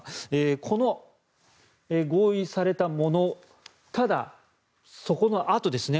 この合意されたものただ、そこのあとですね